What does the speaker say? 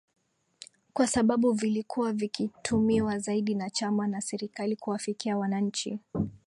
kwa sababu vilikuwa vikitumiwa zaidi na chama na serikali kuwafikia wananchi